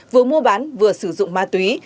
vừa mua bán vừa sử dụng ma túy